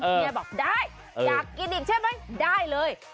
เมียบอกได้อยากกินอีกใช่ไหมได้เลย